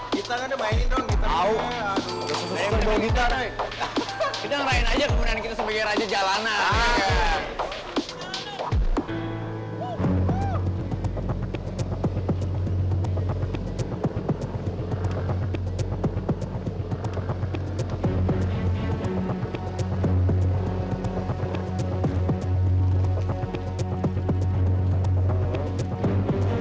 jangan lupa active subscribe n hatu toldus